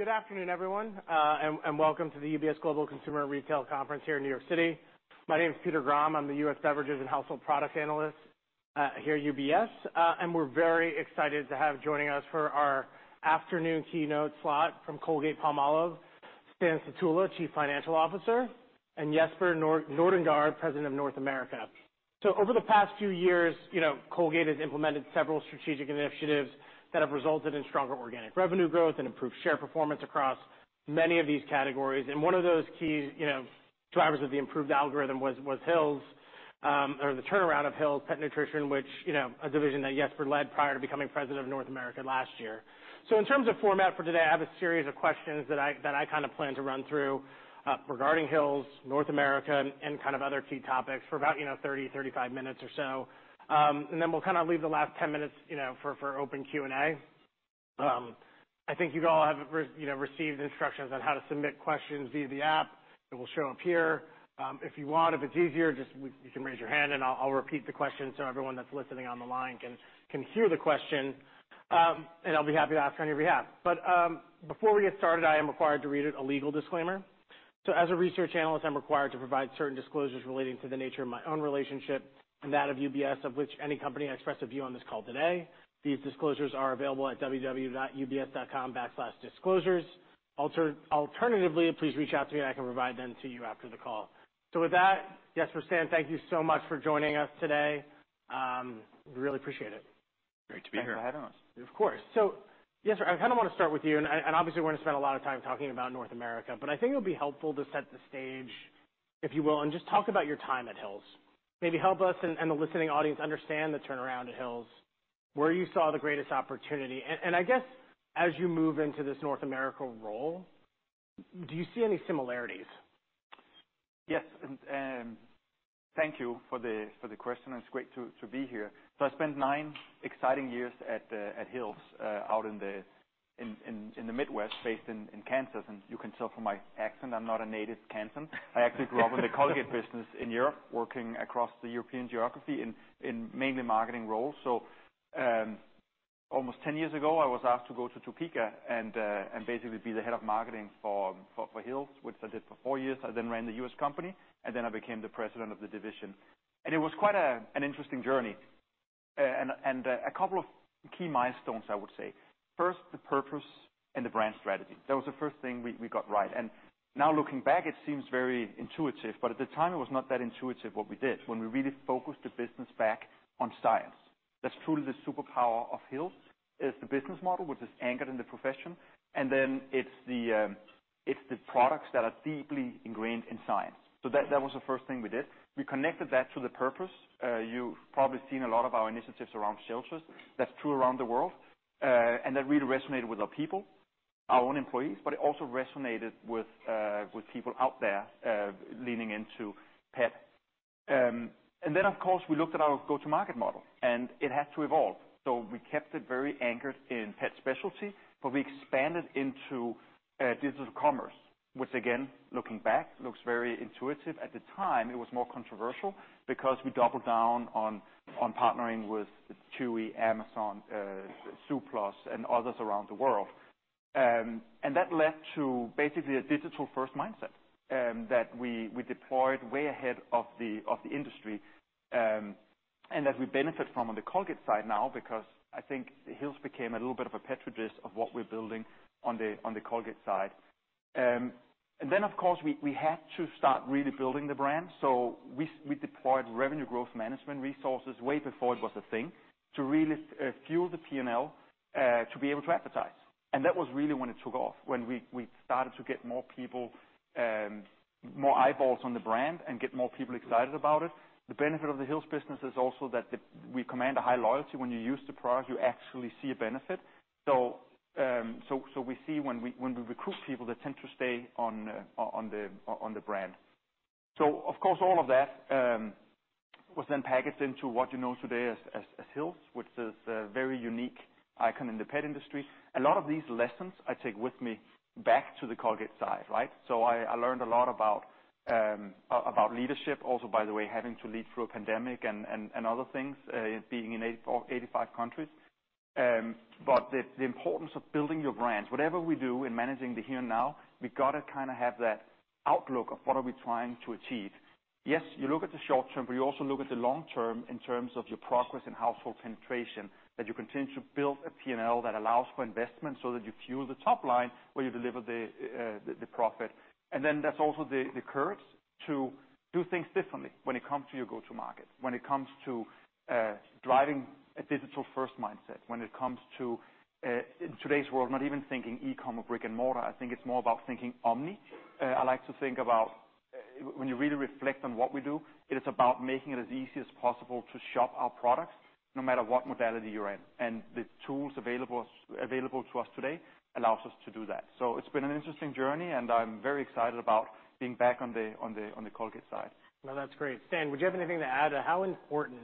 Good afternoon, everyone, and welcome to the UBS Global Consumer and Retail conference here in New York City. My name is Peter Grom. I'm the U.S. Beverages and Household Products Analyst here at UBS. We're very excited to have joining us for our afternoon keynote slot from Colgate-Palmolive, Stan Sutula, Chief Financial Officer, and Jesper Nordengaard, President of North America. Over the past few years, you know, Colgate has implemented several strategic initiatives that have resulted in stronger organic revenue growth and improved share performance across many of these categories. One of those key, you know, drivers of the improved algorithm was Hill's or the turnaround of Hill's Pet Nutrition, which, you know, a division that Jesper led prior to becoming President of North America last year. In terms of format for today, I have a series of questions that I kinda plan to run through regarding Hill's, North America, and kind of other key topics for about, you know, 30, 35 minutes or so. We'll kinda leave the last 10 minutes, you know, for open Q&A. I think you've all have, you know, received instructions on how to submit questions via the app. It will show up here. If you want, if it's easier, just you can raise your hand, and I'll repeat the question so everyone that's listening on the line can hear the question, and I'll be happy to ask on your behalf. Before we get started, I am required to read a legal disclaimer. As a research analyst, I'm required to provide certain disclosures relating to the nature of my own relationship and that of UBS, of which any company I express a view on this call today. These disclosures are available at www.ubs.com/disclosures. Alternatively, please reach out to me and I can provide them to you after the call. With that, Jesper, Stan, thank you so much for joining us today. Really appreciate it. Great to be here. Thanks for having us. Of course. Jesper, I kinda wanna start with you, and obviously we're gonna spend a lot of time talking about North America, but I think it'll be helpful to set the stage, if you will, and just talk about your time at Hill's. Maybe help us and the listening audience understand the turnaround at Hill's, where you saw the greatest opportunity. I guess as you move into this North America role, do you see any similarities? Yes. Thank you for the question. It's great to be here. I spent nine exciting years at Hill's, out in the Midwest, based in Kansas. You can tell from my accent, I'm not a native Kansan. I actually grew up in the Colgate business in Europe, working across the European geography in mainly marketing roles. Almost 10 years ago, I was asked to go to Topeka and basically be the head of marketing for Hill's, which I did for four years. I then ran the U.S. company, and then I became the president of the division. It was quite an interesting journey. And a couple of key milestones, I would say. First, the purpose and the brand strategy. That was the first thing we got right. Now looking back, it seems very intuitive, but at the time it was not that intuitive what we did when we really focused the business back on science. That's truly the superpower of Hill's, is the business model, which is anchored in the profession. Then it's the, it's the products that are deeply ingrained in science. That was the first thing we did. We connected that to the purpose. You've probably seen a lot of our initiatives around shelters. That's true around the world. That really resonated with our people, our own employees, but it also resonated with people out there, leaning into pet. Then of course, we looked at our go-to-market model, and it had to evolve. we kept it very anchored in pet specialty, but we expanded into digital commerce, which again, looking back, looks very intuitive. At the time, it was more controversial because we doubled down on partnering with Chewy, Amazon, Zooplus, and others around the world. that led to basically a digital-first mindset that we deployed way ahead of the industry, and that we benefit from on the Colgate side now because I think Hill's became a little bit of a petri dish of what we're building on the Colgate side. then of course, we had to start really building the brand. we deployed revenue growth management resources way before it was a thing to really fuel the P&L to be able to advertise. That was really when it took off, when we started to get more people, more eyeballs on the brand and get more people excited about it. The benefit of the Hill's business is also that we command a high loyalty. When you use the product, you actually see a benefit. We see when we, when we recruit people, they tend to stay on the brand. Of course, all of that was then packaged into what you know today as Hill's, which is a very unique icon in the pet industry. A lot of these lessons I take with me back to the Colgate side, right? I learned a lot about leadership, also by the way, having to lead through a pandemic and other things, being in 85 countries. But the importance of building your brand, whatever we do in managing the here and now, we gotta kinda have that outlook of what are we trying to achieve. Yes, you look at the short term, but you also look at the long term in terms of your progress in household penetration, that you continue to build a P&L that allows for investment so that you fuel the top line where you deliver the profit. That's also the courage to do things differently when it comes to your go-to-market, when it comes to driving a digital-first mindset, when it comes to in today's world, not even thinking e-com or brick and mortar. I think it's more about thinking omni. I like to think about when you really reflect on what we do, it is about making it as easy as possible to shop our products no matter what modality you're in. The tools available to us today allows us to do that. It's been an interesting journey, and I'm very excited about being back on the Colgate side. No, that's great. Stan, would you have anything to add? How important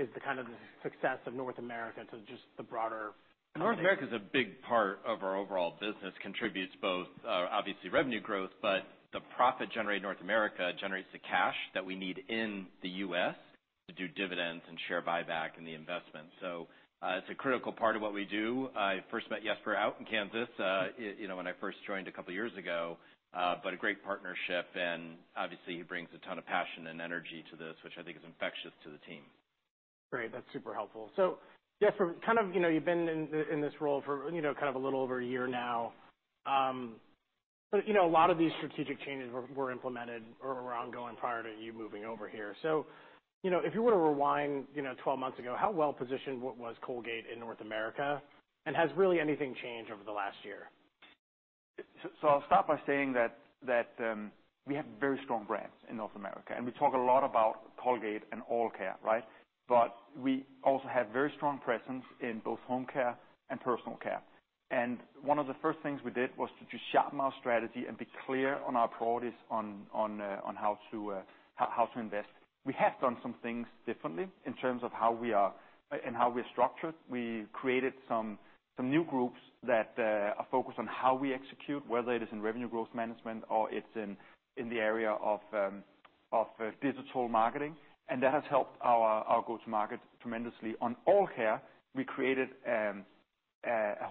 is the kind of the success of North America to just the broader- North America is a big part of our overall business, contributes both, obviously revenue growth, but the profit generated in North America generates the cash that we need in the U.S. To do dividends and share buyback in the investment. It's a critical part of what we do. I first met Jesper out in Kansas, you know, when I first joined a couple years ago, a great partnership and obviously he brings a ton of passion and energy to this, which I think is infectious to the team. Great. That's super helpful. Jesper, kind of, you know, you've been in this role for, you know, kind of a little over a year now. You know, a lot of these strategic changes were implemented or were ongoing prior to you moving over here. You know, if you were to rewind, you know, 12 months ago, how well-positioned was Colgate in North America? Has really anything changed over the last year? I'll start by saying that we have very strong brands in North America, and we talk a lot about Colgate and oral care, right? We also have very strong presence in both home care and personal care. One of the first things we did was to just sharpen our strategy and be clear on our priorities on how to invest. We have done some things differently in terms of how we are, and how we're structured. We created some new groups that are focused on how we execute, whether it is in revenue growth management or it's in the area of digital marketing. That has helped our go-to-market tremendously. On oral care, we created a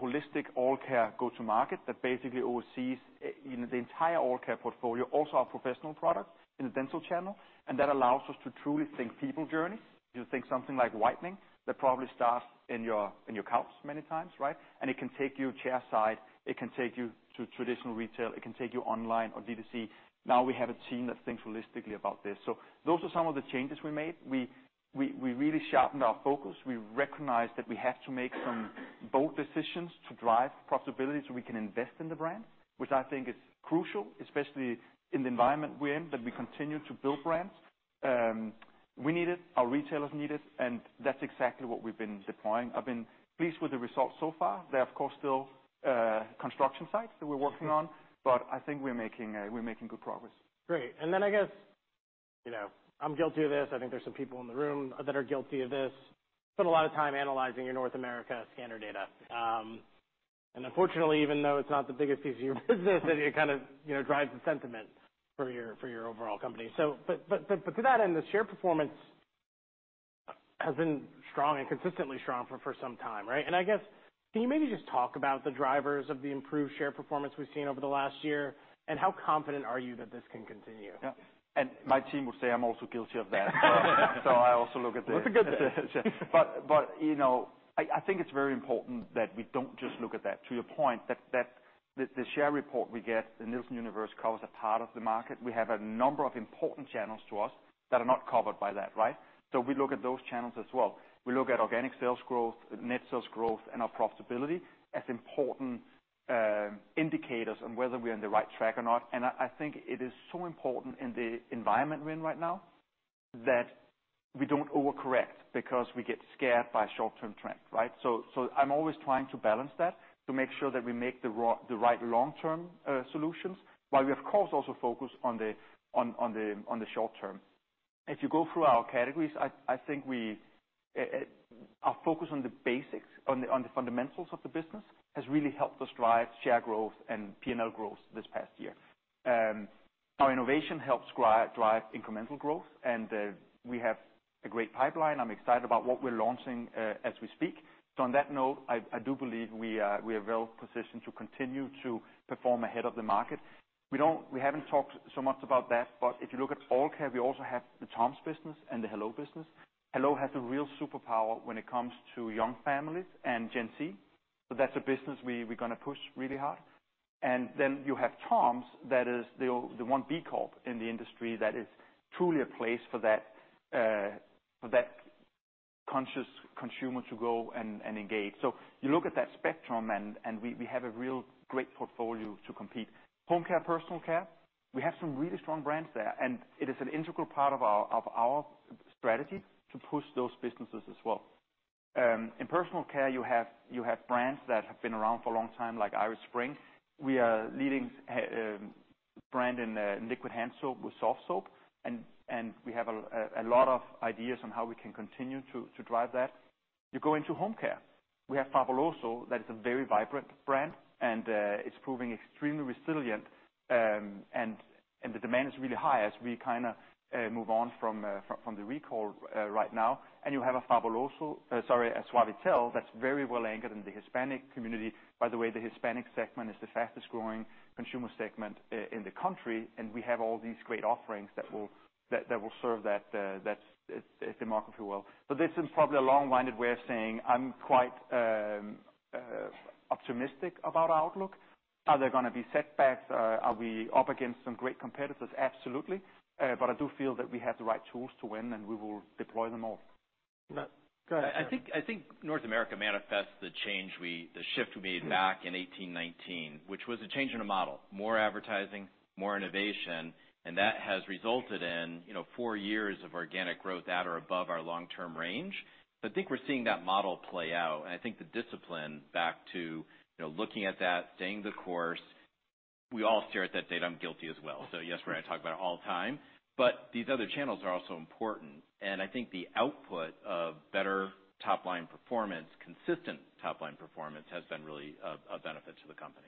holistic oral care go-to-market that basically oversees in the entire oral care portfolio, also our professional products in the dental channel, and that allows us to truly think people journey. You think something like whitening, that probably starts in your, in your couch many times, right? It can take you chair side, it can take you to traditional retail, it can take you online or D2C. Now we have a team that thinks holistically about this. So those are some of the changes we made. We really sharpened our focus. We recognized that we have to make some bold decisions to drive profitability so we can invest in the brand, which I think is crucial, especially in the environment we're in, that we continue to build brands. We need it, our retailers need it, and that's exactly what we've been deploying. I've been pleased with the results so far. There are, of course, still, construction sites that we're working on, but I think we're making good progress. Great. Then I guess, you know, I'm guilty of this, I think there's some people in the room that are guilty of this, spend a lot of time analyzing your North America scanner data. Unfortunately, even though it's not the biggest piece of your business, it kind of, you know, drives the sentiment for your, for your overall company. To that end, the share performance has been strong and consistently strong for some time, right? I guess can you maybe just talk about the drivers of the improved share performance we've seen over the last year, and how confident are you that this can continue? Yeah. My team will say I'm also guilty of that. I also look at. It's a good thing. You know, I think it's very important that we don't just look at that. To your point, that the share report we get, the Nielsen universe covers a part of the market. We have a number of important channels to us that are not covered by that, right? We look at those channels as well. We look at organic sales growth, net sales growth, and our profitability as important indicators on whether we are on the right track or not. I think it is so important in the environment we're in right now that we don't overcorrect because we get scared by short-term trend, right? I'm always trying to balance that to make sure that we make the right long-term solutions, while we of course also focus on the short term. If you go through our categories, I think we our focus on the basics, on the fundamentals of the business has really helped us drive share growth and P&L growth this past year. Our innovation helps drive incremental growth, and we have a great pipeline. I'm excited about what we're launching as we speak. On that note, I do believe we are well positioned to continue to perform ahead of the market. We haven't talked so much about that, but if you look at oral care, we also have the Tom's business and the hello business. hello has a real superpower when it comes to young families and Gen Z. That's a business we're gonna push really hard. You have Tom's, that is the one B Corp in the industry that is truly a place for that, for that conscious consumer to go and engage. You look at that spectrum and we have a real great portfolio to compete. Home care, personal care, we have some really strong brands there, and it is an integral part of our strategy to push those businesses as well. In personal care, you have brands that have been around for a long time, like Irish Spring. We are leading brand in liquid hand soap with Softsoap. We have a lot of ideas on how we can continue to drive that. You go into home care, we have Fabuloso, that is a very vibrant brand, and it's proving extremely resilient. The demand is really high as we kinda move on from the recall right now. You have a Suavitel that's very well anchored in the Hispanic community. By the way, the Hispanic segment is the fastest growing consumer segment in the country, and we have all these great offerings that will serve that segment well. This is probably a long-winded way of saying I'm quite optimistic about our outlook. Are there gonna be setbacks? Are we up against some great competitors? Absolutely. I do feel that we have the right tools to win, and we will deploy them all. Go ahead, Stan. I think North America manifests the change the shift we made back in 1819, which was a change in the model. More advertising, more innovation, and that has resulted in, you know, four years of organic growth at or above our long-term range. I think we're seeing that model play out, and I think the discipline back to, you know, looking at that, staying the course, we all stare at that data. I'm guilty as well. Yes, we're gonna talk about it all the time. These other channels are also important. I think the output of. Better top-line performance, consistent top-line performance has been really a benefit to the company.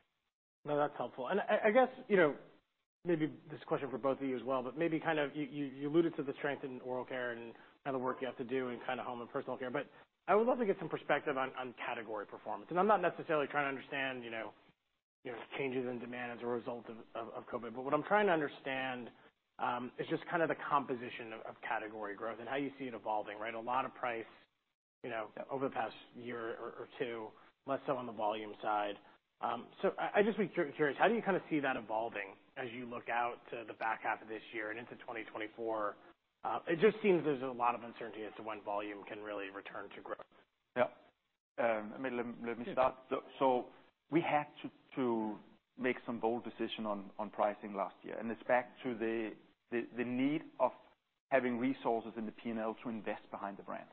That's helpful. I guess, you know, maybe this question is for both of you as well, but maybe kind of you alluded to the strength in oral care and kind of the work you have to do in kind of home and personal care. I would love to get some perspective on category performance. I'm not necessarily trying to understand, you know, changes in demand as a result of COVID. What I'm trying to understand is just kind of the composition of category growth and how you see it evolving, right? A lot of price, you know, over the past year or two, less so on the volume side. I'd just be curious, how do you kind of see that evolving as you look out to the back half of this year and into 2024? It just seems there's a lot of uncertainty as to when volume can really return to growth. Yeah. I mean, let me start. We had to make some bold decision on pricing last year, it's back to the need of having resources in the P&L to invest behind the brand.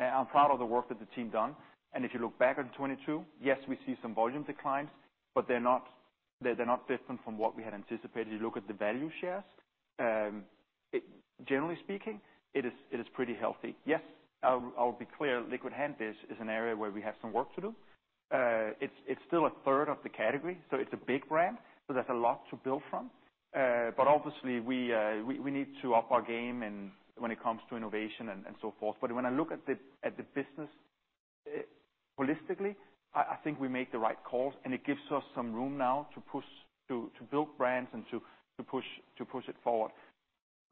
I'm proud of the work that the team done, if you look back at 2022, yes, we see some volume declines, but they're not different from what we had anticipated. You look at the value shares, generally speaking, it is pretty healthy. Yes, I'll be clear, liquid hand dish is an area where we have some work to do. It's still 1/3 of the category, it's a big brand, there's a lot to build from. Obviously we need to up our game and when it comes to innovation and so forth. When I look at the business holistically, I think we make the right calls, and it gives us some room now to build brands and to push it forward.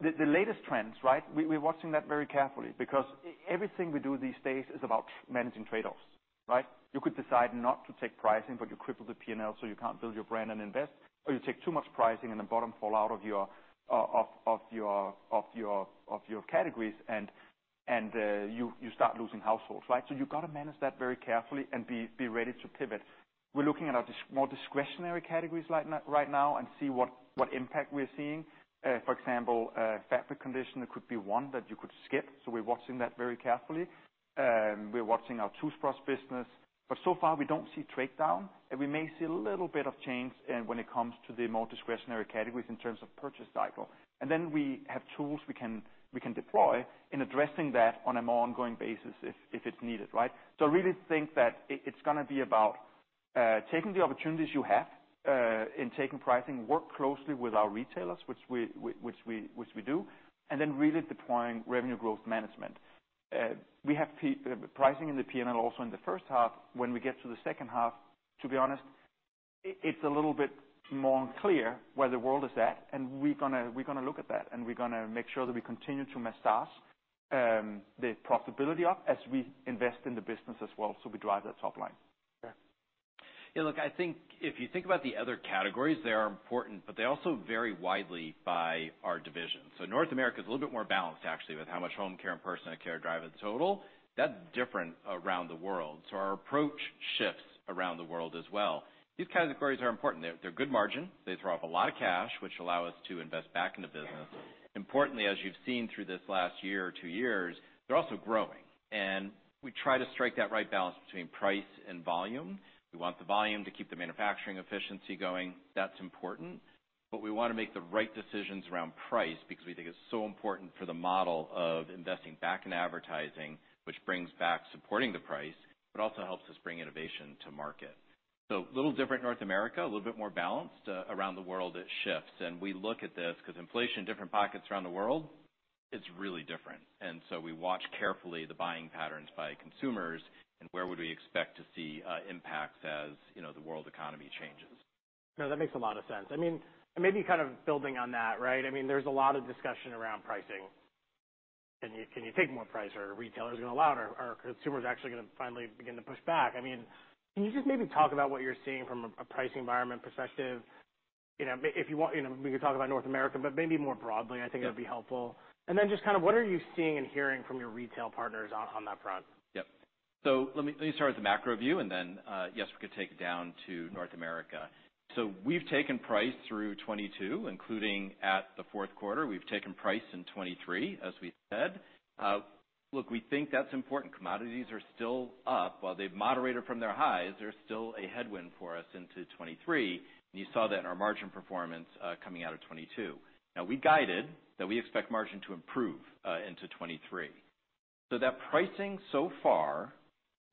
The latest trends, right? We're watching that very carefully because everything we do these days is about managing trade-offs, right? You could decide not to take pricing, but you cripple the P&L so you can't build your brand and invest. You take too much pricing and the bottom fall out of your categories and you start losing households, right? You've got to manage that very carefully and be ready to pivot. We're looking at our more discretionary categories right now and see what impact we're seeing. For example, fabric conditioner could be one that you could skip, so we're watching that very carefully. We're watching our toothbrush business. So far, we don't see trade-down. We may see a little bit of change when it comes to the more discretionary categories in terms of purchase cycle. We have tools we can deploy in addressing that on a more ongoing basis if it's needed, right? I really think that it's gonna be about taking the opportunities you have in taking pricing, work closely with our retailers, which we do, and then really deploying revenue growth management. We have pricing in the P&L also in the first half. When we get to the second half, to be honest, it's a little bit more clear where the world is at, and we're gonna look at that, and we're gonna make sure that we continue to massage the profitability up as we invest in the business as well, so we drive that top line. Okay. Yeah, look, I think if you think about the other categories, they are important, but they also vary widely by our division. North America is a little bit more balanced, actually, with how much home care and personal care drive in total. That's different around the world. Our approach shifts around the world as well. These categories are important. They're good margin. They throw off a lot of cash, which allow us to invest back in the business. Importantly, as you've seen through this last year or two years, they're also growing. We try to strike that right balance between price and volume. We want the volume to keep the manufacturing efficiency going. That's important. We wanna make the right decisions around price because we think it's so important for the model of investing back in advertising, which brings back supporting the price, but also helps us bring innovation to market. A little different North America, a little bit more balanced. Around the world it shifts. We look at this 'cause inflation in different pockets around the world is really different. We watch carefully the buying patterns by consumers and where would we expect to see impacts as, you know, the world economy changes. No, that makes a lot of sense. I mean, maybe kind of building on that, right? I mean, there's a lot of discussion around pricing. Can you take more price? Are retailers gonna allow it or are consumers actually gonna finally begin to push back? I mean, can you just maybe talk about what you're seeing from a price environment perspective? You know, if you want, you know, we could talk about North America, but maybe more broadly, I think it would be helpful. Just kind of what are you seeing and hearing from your retail partners on that front? Yep. Let me start with the macro view and then, yes, we could take it down to North America. We've taken price through 2022, including at the fourth quarter. We've taken price in 2023, as we said. Look, we think that's important. Commodities are still up. While they've moderated from their highs, they're still a headwind for us into 2023. You saw that in our margin performance, coming out of 2022. Now, we guided that we expect margin to improve, into 2023. That pricing so far,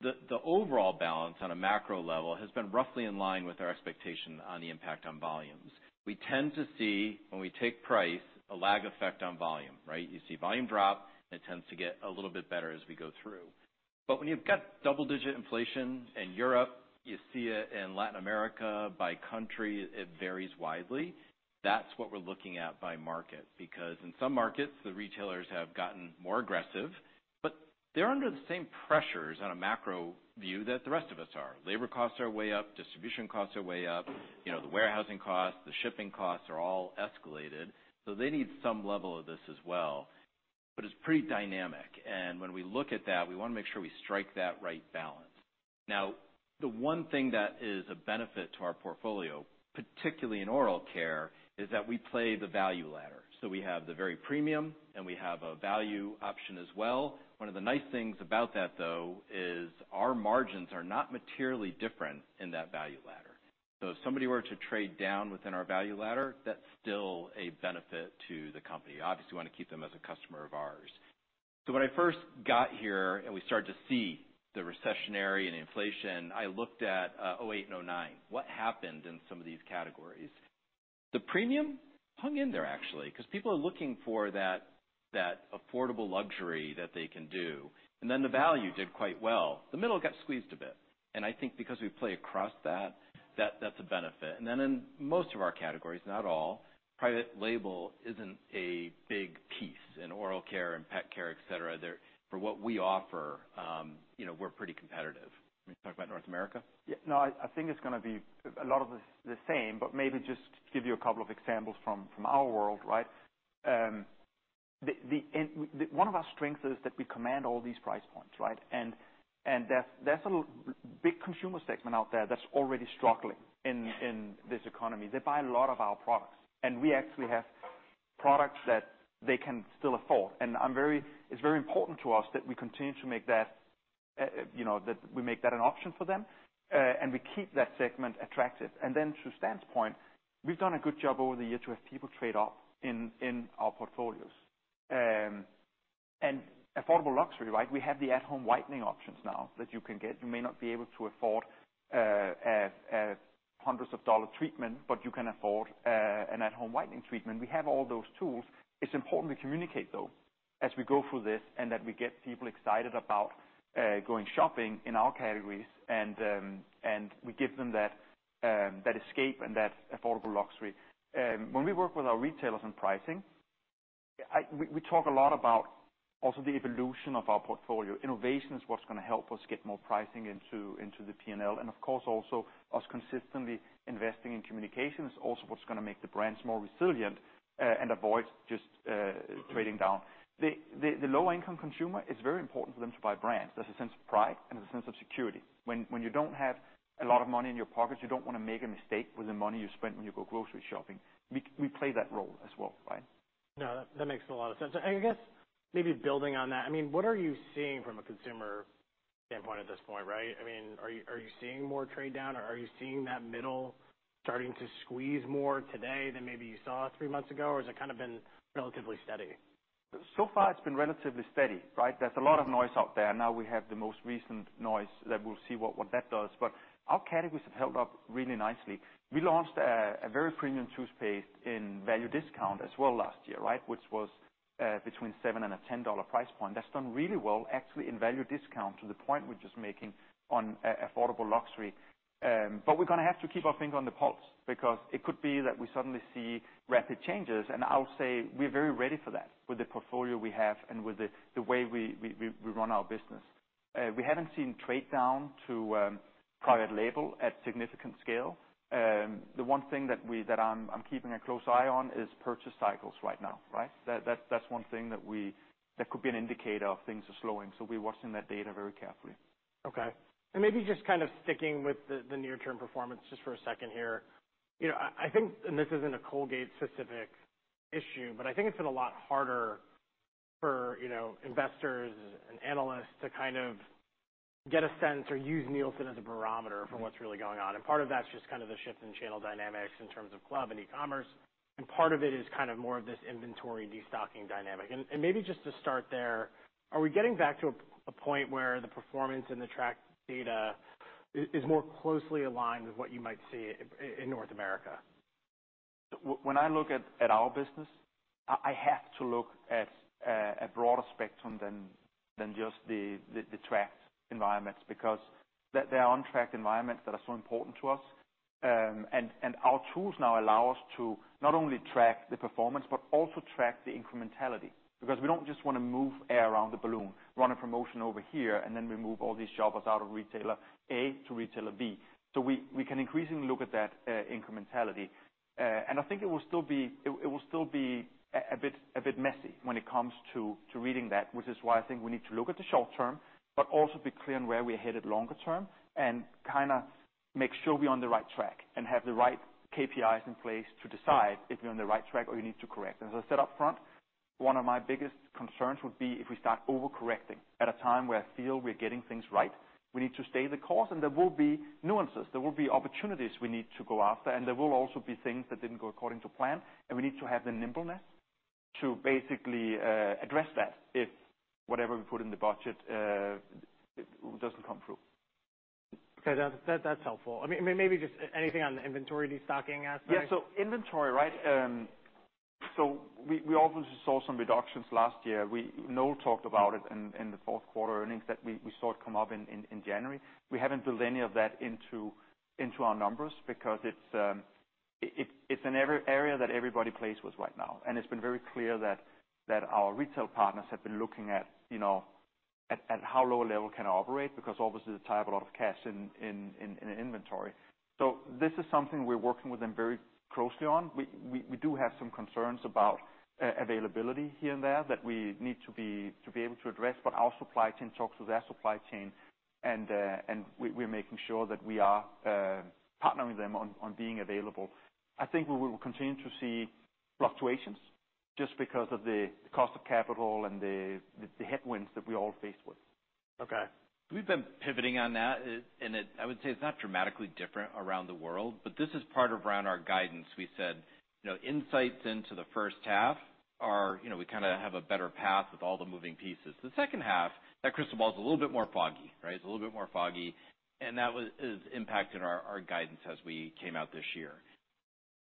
the overall balance on a macro level has been roughly in line with our expectation on the impact on volumes. We tend to see when we take price a lag effect on volume, right? You see volume drop, and it tends to get a little bit better as we go through. When you've got double-digit inflation in Europe, you see it in Latin America, by country, it varies widely. That's what we're looking at by market. In some markets, the retailers have gotten more aggressive, but they're under the same pressures on a macro view that the rest of us are. Labor costs are way up, distribution costs are way up. You know, the warehousing costs, the shipping costs are all escalated, so they need some level of this as well. It's pretty dynamic, and when we look at that, we wanna make sure we strike that right balance. The one thing that is a benefit to our portfolio, particularly in oral care, is that we play the value ladder. We have the very premium, and we have a value option as well. One of the nice things about that, though, is our margins are not materially different in that value ladder. If somebody were to trade down within our value ladder, that's still a benefit to the company. Obviously, we wanna keep them as a customer of ours. When I first got here, and we started to see the recessionary and inflation, I looked at 2008 and 2009. What happened in some of these categories? The premium hung in there actually, 'cause people are looking for that affordable luxury that they can do. Then the value did quite well. The middle got squeezed a bit. I think because we play across that's a benefit. Then in most of our categories, not all, private label isn't a big piece in oral care and pet care, et cetera. They're for what we offer, you know, we're pretty competitive. You wanna talk about North America? Yeah. No, I think it's gonna be a lot of the same, but maybe just to give you a couple of examples from our world, right? One of our strengths is that we command all these price points, right? There's a big consumer segment out there that's already struggling in this economy. They buy a lot of our products. We actually have products that they can still afford. It's very important to us that we continue to make that, you know, that we make that an option for them, and we keep that segment attractive. To Stan's point, we've done a good job over the years to have people trade up in our portfolios. Affordable luxury, right? We have the at-home whitening options now that you can get. You may not be able to afford a hundreds of dollar treatment, but you can afford an at-home whitening treatment. We have all those tools. It's important to communicate though as we go through this, and that we get people excited about going shopping in our categories and we give them that escape and that affordable luxury. When we work with our retailers on pricing, we talk a lot about also the evolution of our portfolio. Innovation is what's gonna help us get more pricing into the P&L. Of course, also us consistently investing in communication is also what's gonna make the brands more resilient, and avoid just trading down. The low-income consumer, it's very important for them to buy brands. There's a sense of pride and a sense of security. When you don't have a lot of money in your pocket, you don't wanna make a mistake with the money you spend when you go grocery shopping. We play that role as well, right? No, that makes a lot of sense. I guess maybe building on that, I mean, what are you seeing from a consumer standpoint at this point, right? I mean, are you seeing more trade down or are you seeing that middle starting to squeeze more today than maybe you saw three months ago? Has it kinda been relatively steady? It's been relatively steady, right? There's a lot of noise out there. Now we have the most recent noise that we'll see what that does. Our categories have held up really nicely. We launched a very premium toothpaste in value discount as well last year, right? Which was between $7 and a $10 price point. That's done really well actually in value discount to the point we're just making on affordable luxury. We're gonna have to keep our finger on the pulse because it could be that we suddenly see rapid changes. I'll say we're very ready for that with the portfolio we have and with the way we run our business. We haven't seen trade down to private label at significant scale. The one thing that I'm keeping a close eye on is purchase cycles right now, right? That's one thing that could be an indicator of things are slowing. We're watching that data very carefully. Okay. Maybe just kind of sticking with the near-term performance just for a second here. You know, I think this isn't a Colgate specific issue, but I think it's been a lot harder for, you know, investors and analysts to kind of get a sense or use Nielsen as a barometer for what's really going on. Part of that's just kind of the shift in channel dynamics in terms of club and e-commerce, and part of it is kind of more of this inventory destocking dynamic. Maybe just to start there, are we getting back to a point where the performance and the track data is more closely aligned with what you might see in North America? When I look at our business, I have to look at a broader spectrum than just the tracked environments because there are untracked environments that are so important to us. And our tools now allow us to not only track the performance, but also track the incrementality because we don't just wanna move air around the balloon, run a promotion over here, and then we move all these shoppers out of retailer A to retailer B. We can increasingly look at that incrementality. I think it will still be a bit messy when it comes to reading that, which is why I think we need to look at the short term, but also be clear on where we're headed longer term and kinda make sure we're on the right track and have the right KPIs in place to decide if you're on the right track or you need to correct. As I said up front, one of my biggest concerns would be if we start overcorrecting at a time where I feel we're getting things right. We need to stay the course. There will be nuances, there will be opportunities we need to go after. There will also be things that didn't go according to plan. We need to have the nimbleness to basically, address that if whatever we put in the budget, doesn't come through. Okay. That's helpful. I mean, maybe just anything on the inventory destocking aspect? Yeah. Inventory, right? We obviously saw some reductions last year. Noel talked about it in the fourth quarter earnings that we saw it come up in January. We haven't built any of that into our numbers because it's an area that everybody plays with right now. It's been very clear that our retail partners have been looking at, you know, at how low a level can I operate because obviously they tie up a lot of cash in inventory. This is something we're working with them very closely on. We do have some concerns about availability here and there that we need to be able to address, but our supply chain talks to their supply chain and we're making sure that we are partnering with them on being available. I think we will continue to see fluctuations just because of the cost of capital and the headwinds that we all faced with. Okay. We've been pivoting on that. I would say it's not dramatically different around the world. This is part of around our guidance. We said, you know, insights into the first half are, you know, we kinda have a better path with all the moving pieces. The second half, that crystal ball is a little bit more foggy, right? It's a little bit more foggy. That is impacting our guidance as we came out this year.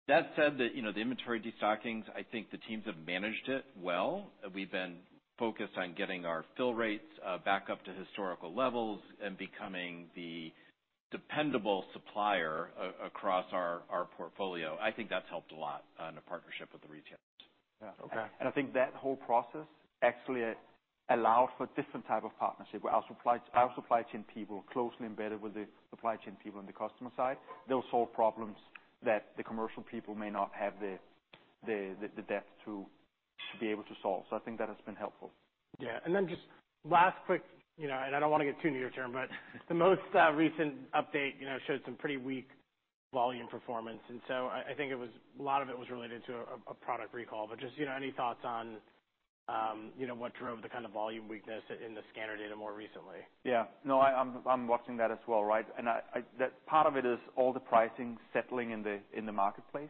That said, you know, the inventory destockings, I think the teams have managed it well. We've been focused on getting our fill rates back up to historical levels and becoming the dependable supplier across our portfolio. I think that's helped a lot on the partnership with the retailers. Yeah. Okay. I think that whole process actually allows for different type of partnership where our supply chain people closely embedded with the supply chain people on the customer side, they'll solve problems that the commercial people may not have the depth to should be able to solve. I think that has been helpful. Yeah. Just last quick, you know, and I don't wanna get too near term, but the most recent update, you know, showed some pretty weak volume performance. I think a lot of it was related to a product recall. Just, you know, any thoughts on, you know, what drove the kind of volume weakness in the scanner data more recently? Yeah. No, I'm watching that as well, right? That part of it is all the pricing settling in the marketplace.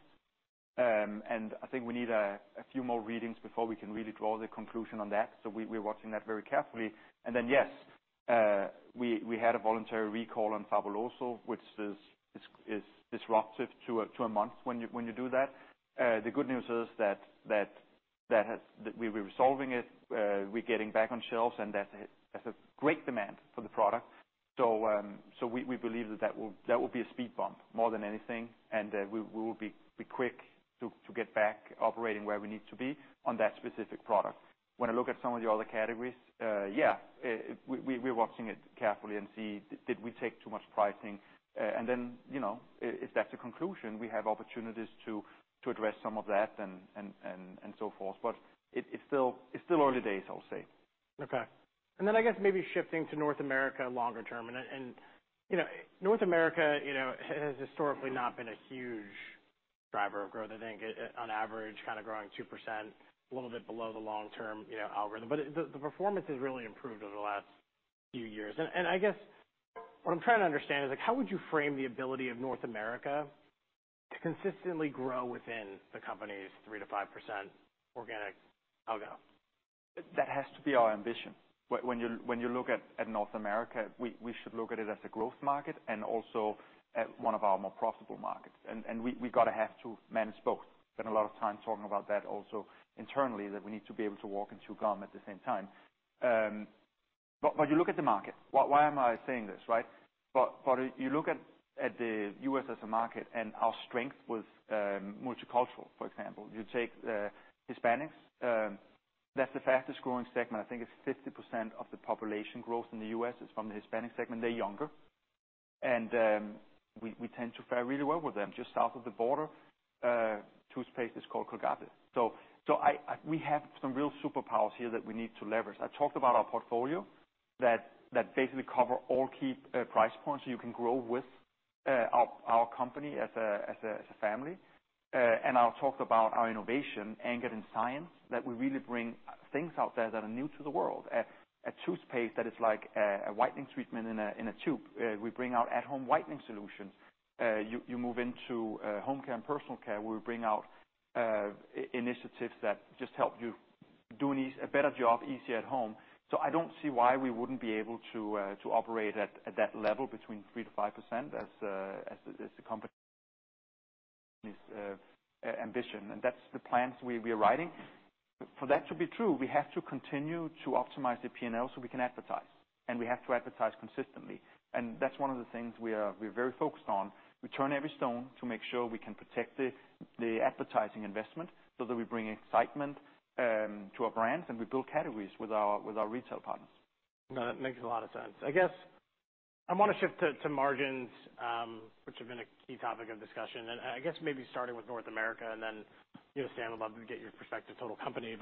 I think we need a few more readings before we can really draw the conclusion on that. We're watching that very carefully. Yes, we had a voluntary recall on Fabuloso, which is disruptive to a month when you do that. The good news is that we're resolving it, we're getting back on shelves, and that's a great demand for the product. We believe that that will be a speed bump more than anything, and we will be quick to get back operating where we need to be on that specific product. When I look at some of the other categories, yeah, we're watching it carefully and see did we take too much pricing? You know, if that's a conclusion, we have opportunities to address some of that and so forth. It's still early days, I'll say. Okay. I guess maybe shifting to North America longer term. You know, North America, you know, has historically not been a huge driver of growth. I think on average, kind of growing 2%, a little bit below the long term, you know, algorithm. The performance has really improved over the last few years. I guess what I'm trying to understand is like, how would you frame the ability of North America to consistently grow within the company's 3%-5% organic algo? That has to be our ambition. When you look at North America, we should look at it as a growth market and also at one of our more profitable markets. We gotta have to manage both. Spend a lot of time talking about that also internally, that we need to be able to walk and chew gum at the same time. You look at the market. Why am I saying this, right? You look at the U.S. as a market and our strength with multicultural, for example. You take Hispanics, that's the fastest growing segment. I think it's 50% of the population growth in the U.S. is from the Hispanic segment. They're younger, and we tend to fare really well with them. Just south of the border, toothpaste is called Colgate. We have some real superpowers here that we need to leverage. I talked about our portfolio that basically cover all key price points, so you can grow with our company as a family. I'll talk about our innovation anchored in science, that we really bring things out there that are new to the world. A toothpaste that is like a whitening treatment in a tube. We bring out at home whitening solutions. You move into home care and personal care. We bring out initiatives that just help you do a better job easier at home. I don't see why we wouldn't be able to operate at that level between 3%-5% as the company's ambition. That's the plans we are writing. For that to be true, we have to continue to optimize the P&L so we can advertise, and we have to advertise consistently. That's one of the things we're very focused on. We turn every stone to make sure we can protect the advertising investment so that we bring excitement to our brands and we build categories with our retail partners. No, that makes a lot of sense. I guess I wanna shift to margins, which have been a key topic of discussion. I guess maybe starting with North America and then, you know, Stan, I'd love to get your perspective total company.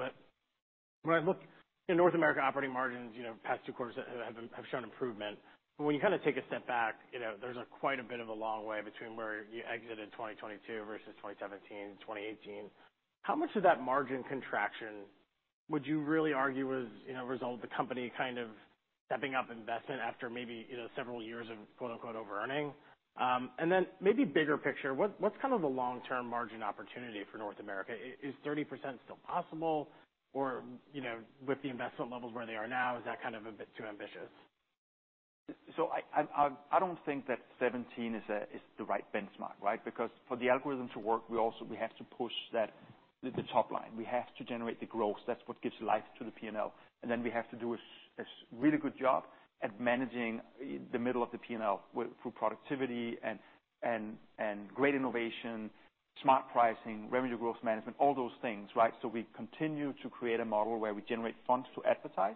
When I look in North America operating margins, you know, past two quarters have shown improvement. When you kinda take a step back, you know, there's a quite a bit of a long way between where you exited 2022 versus 2017, 2018. How much of that margin contraction would you really argue was, you know, a result of the company kind of stepping up investment after maybe, you know, several years of quote-unquote, "over-earning?" Maybe bigger picture, what's kind of the long-term margin opportunity for North America? Is 30% still possible or, you know, with the investment levels where they are now, is that kind of a bit too ambitious? I don't think that 17 is the right benchmark, right? For the algorithm to work, we have to push the top line. We have to generate the growth. That's what gives life to the P&L. Then we have to do a really good job at managing the middle of the P&L through productivity and great innovation, smart pricing, revenue growth management, all those things, right? We continue to create a model where we generate funds to advertise,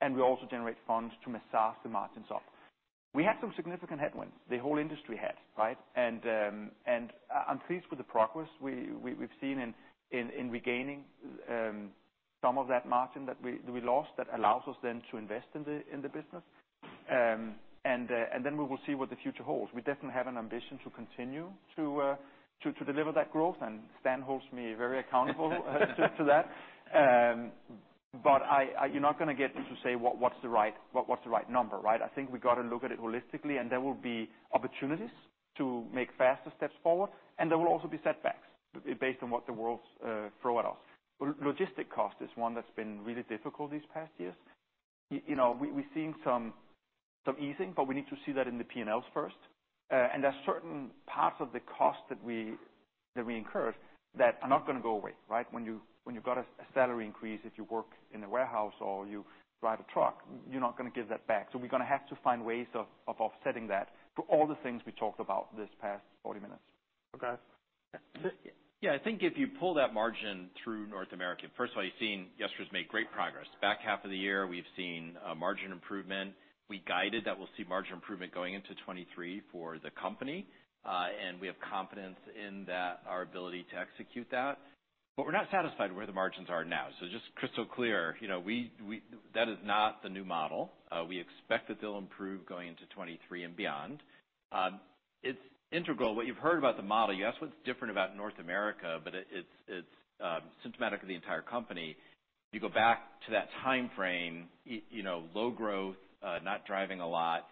and we also generate funds to massage the margins up. We had some significant headwinds. The whole industry had, right? I'm pleased with the progress we've seen in regaining some of that margin that we lost that allows us then to invest in the business. Then we will see what the future holds. We definitely have an ambition to continue to deliver that growth, and Stan holds me very accountable to that. But you're not gonna get me to say what's the right number, right? I think we gotta look at it holistically, and there will be opportunities to make faster steps forward, and there will also be setbacks based on what the world throw at us. Logistic cost is one that's been really difficult these past years. You know, we've seen some easing, but we need to see that in the P&Ls first. There are certain parts of the cost that we incurred that are not gonna go away, right? When you've got a salary increase if you work in a warehouse or you drive a truck, you're not gonna give that back. We're gonna have to find ways of offsetting that through all the things we talked about this past 40 minutes. Okay. Yeah, I think if you pull that margin through North America, first of all, you've seen Jesper's made great progress. Back half of the year, we've seen margin improvement. We guided that we'll see margin improvement going into 2023 for the company, and we have confidence in that, our ability to execute that. We're not satisfied where the margins are now. Just crystal clear, you know, we that is not the new model. We expect that they'll improve going into 2023 and beyond. It's integral. What you've heard about the model, yes, what's different about North America, but it's, it's symptomatic of the entire company. You go back to that timeframe, you know, low growth, not driving a lot,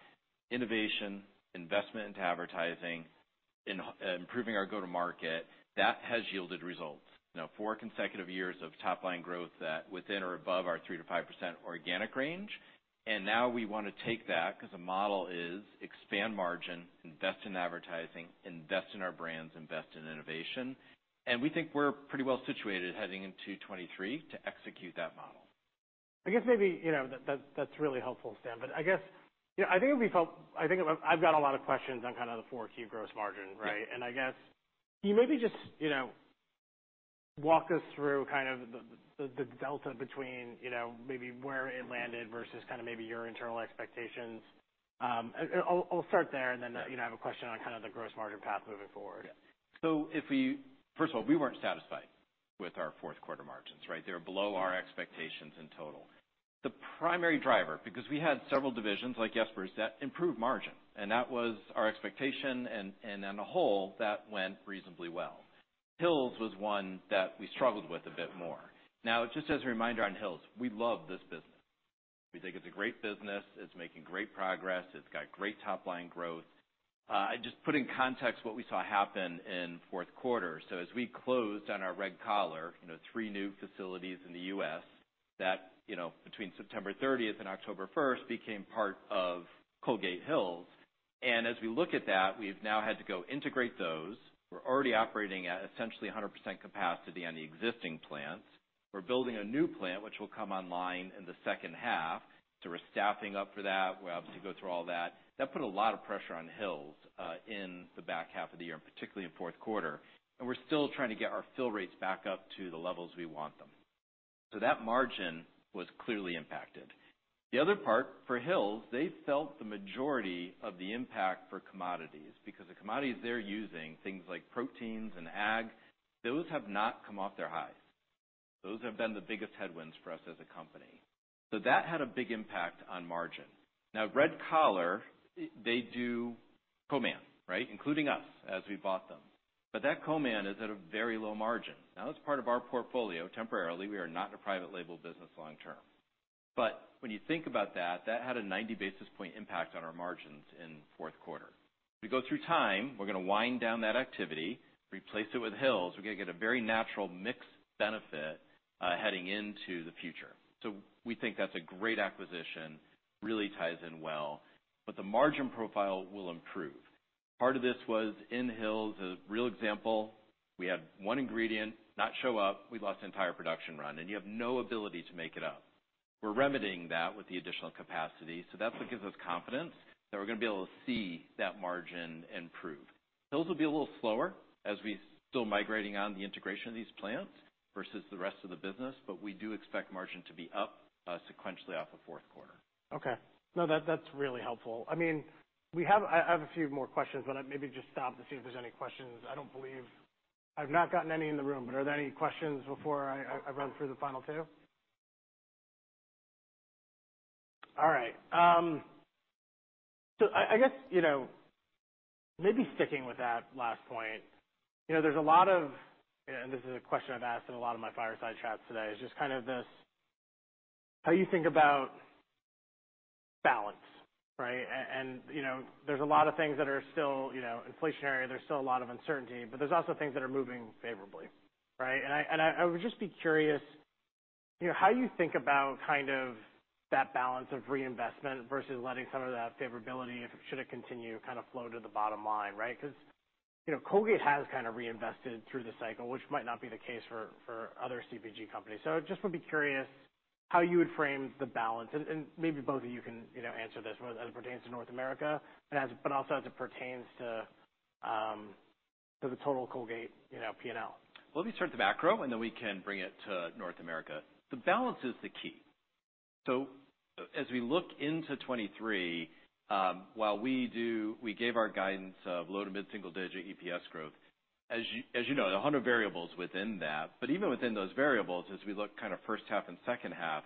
innovation, investment into advertising, in improving our go-to-market, that has yielded results. Four consecutive years of top line growth that within or above our 3%-5% organic range. We want to take that because the model is expand margin, invest in advertising, invest in our brands, invest in innovation. We think we're pretty well situated heading into 2023 to execute that model. I guess maybe, you know, that's really helpful, Stan. I guess, you know, I think it would be helpful. I think I've got a lot of questions on kinda the four key gross margin, right? I guess, can you maybe just, you know, walk us through kind of the delta between, you know, maybe where it landed versus kinda maybe your internal expectations. And I'll start there and then, you know, I have a question on kinda the gross margin path moving forward. First of all, we weren't satisfied with our fourth quarter margins, right? They were below our expectations in total. The primary driver, because we had several divisions like Jesper's that improved margin, and on a whole, that went reasonably well. Hill's was one that we struggled with a bit more. Now, just as a reminder on Hill's, we love this business. We think it's a great business. It's making great progress. It's got great top line growth. Just put in context what we saw happen in fourth quarter. As we closed on our Red Collar, you know, three new facilities in the U.S. that, you know, between September 30th and October 1st became part of Colgate Hill's. As we look at that, we've now had to go integrate those. We're already operating at essentially 100% capacity on the existing plants. We're building a new plant, which will come online in the second half. We're staffing up for that. We have to go through all that. That put a lot of pressure on Hill's in the back half of the year, and particularly in fourth quarter. We're still trying to get our fill rates back up to the levels we want them. That margin was clearly impacted. The other part for Hill's, they felt the majority of the impact for commodities, because the commodities they're using, things like proteins and ag, those have not come off their highs. Those have been the biggest headwinds for us as a company. That had a big impact on margin. Now, Red Collar, they do co-man, right? Including us as we bought them. That co-man is at a very low margin. Now, that's part of our portfolio temporarily. We are not a private label business long term. When you think about that had a 90 basis point impact on our margins in fourth quarter. We go through time, we're gonna wind down that activity, replace it with Hill's. We're gonna get a very natural mix benefit, heading into the future. We think that's a great acquisition, really ties in well, but the margin profile will improve. Part of this was in Hill's, a real example, we had one ingredient not show up, we lost the entire production run, and you have no ability to make it up. We're remedying that with the additional capacity. That's what gives us confidence that we're gonna be able to see that margin improve. Hill's will be a little slower as we still migrating on the integration of these plants versus the rest of the business, but we do expect margin to be up sequentially off the fourth quarter. That's really helpful. I mean, I have a few more questions, but maybe just stop to see if there's any questions. I've not gotten any in the room, but are there any questions before I run through the final two? All right. I guess, you know, maybe sticking with that last point, you know, this is a question I've asked in a lot of my fireside chats today, is just kind of this, how you think about balance, right? You know, there's a lot of things that are still, you know, inflationary. There's still a lot of uncertainty, but there's also things that are moving favorably, right? I would just be curious, you know, how you think about kind of that balance of reinvestment versus letting some of that favorability, if should it continue, kind of flow to the bottom line, right? You know, Colgate has kinda reinvested through the cycle, which might not be the case for other CPG companies. Just would be curious how you would frame the balance. Maybe both of you can, you know, answer this as it pertains to North America but also as it pertains to the total Colgate, you know, P&L. Let me start the macro. Then we can bring it to North America. The balance is the key. As we look into 2023, while we gave our guidance of low to mid-single digit EPS growth. As you know, there are 100 variables within that. Even within those variables, as we look kind of first half and second half,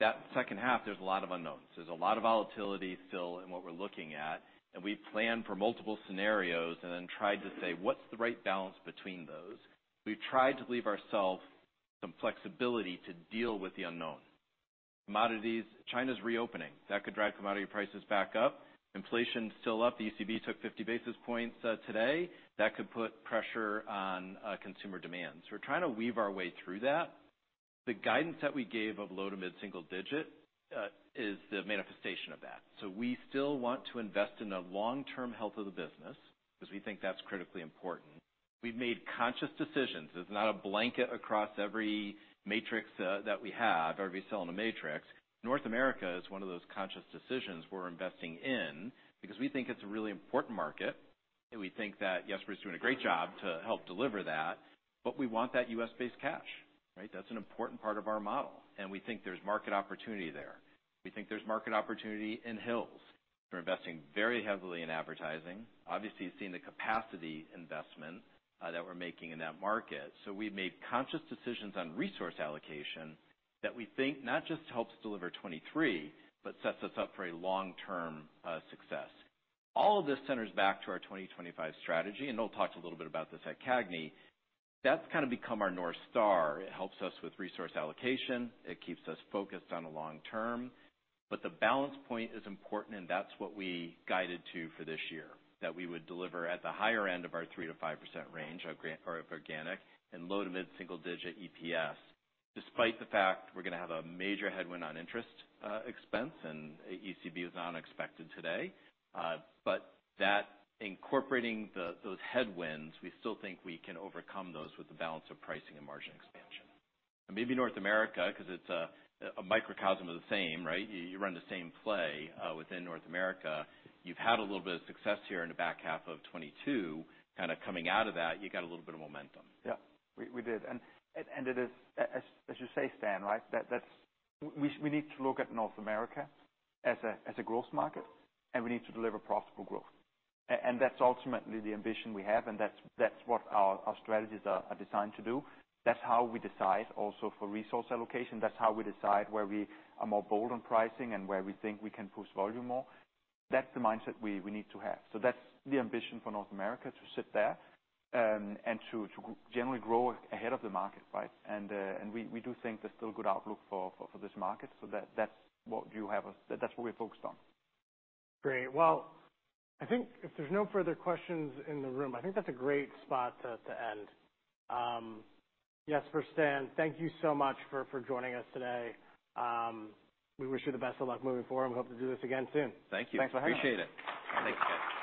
that second half, there's a lot of unknowns. There's a lot of volatility still in what we're looking at. We plan for multiple scenarios and tried to say, "What's the right balance between those?" We've tried to leave ourselves some flexibility to deal with the unknown. Commodities, China's reopening. That could drive commodity prices back up. Inflation's still up. The ECB took 50 basis points today. That could put pressure on consumer demands. We're trying to weave our way through that. The guidance that we gave of low to mid-single digit is the manifestation of that. We still want to invest in the long-term health of the business, because we think that's critically important. We've made conscious decisions. It's not a blanket across every matrix that we have, every cell in the matrix. North America is one of those conscious decisions we're investing in, because we think it's a really important market, and we think that Jesper Nordengaard's doing a great job to help deliver that. We want that U.S.-based cash, right? That's an important part of our model, and we think there's market opportunity there. We think there's market opportunity in Hill's. We're investing very heavily in advertising. Obviously, you've seen the capacity investment that we're making in that market. We've made conscious decisions on resource allocation that we think not just helps deliver 2023, but sets us up for a long-term success. All of this centers back to our 2025 strategy, and Noel talked a little bit about this at CAGNY. That's kind of become our North Star. It helps us with resource allocation. It keeps us focused on the long term. The balance point is important, and that's what we guided to for this year, that we would deliver at the higher end of our 3%-5% range of organic and low to mid-single digit EPS, despite the fact we're going to have a major headwind on interest expense and ECB was unexpected today. That incorporating those headwinds, we still think we can overcome those with the balance of pricing and margin expansion. Maybe North America, 'cause it's a microcosm of the same, right? You run the same play within North America. You've had a little bit of success here in the back half of 2022. Kind of coming out of that, you got a little bit of momentum. Yeah. We did. It is, as you say, Stan Sutula, right? That's we need to look at North America as a growth market, and we need to deliver profitable growth. And that's ultimately the ambition we have, and that's what our strategies are designed to do. That's how we decide also for resource allocation. That's how we decide where we are more bold on pricing and where we think we can push volume more. That's the mindset we need to have. That's the ambition for North America, to sit there, and to generally grow ahead of the market, right? We do think there's still good outlook for this market. That's what you have that's what we're focused on. Great. Well, I think if there's no further questions in the room, I think that's a great spot to end. Jesper, Stan, thank you so much for joining us today. We wish you the best of luck moving forward and hope to do this again soon. Thank you. Thanks for having us. Appreciate it. Thanks, guys.